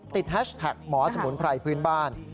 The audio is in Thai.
แฮชแท็กหมอสมุนไพรพื้นบ้าน